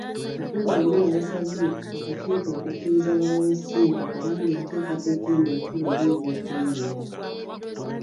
Katumba Wamala yasabye akakiiko okukkiriza babawe ssente kubanga enteekateeka eno nkulu eri eby'okwerinda